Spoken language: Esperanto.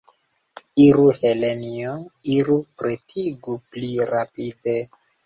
Iru, Helenjo, iru, pretigu pli rapide.